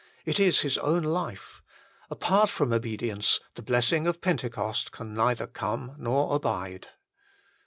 It is His own life. Apart from obedience the blessing of Pentecost can neither come nor abide.